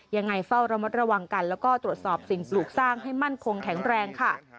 ยังไงเฝ้าระมัดระวังกันแล้วก็ตรวจสอบสิ่งปลูกสร้างให้มั่นคงแข็งแรงค่ะ